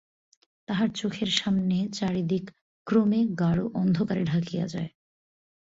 তাহার চোখের সামনে চারিদিক ক্রমে গাঢ় অন্ধকারে ঢাকিয়া যায়।